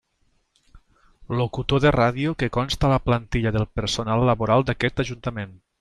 Locutor de ràdio que consta a la plantilla del personal laboral d'aquest ajuntament.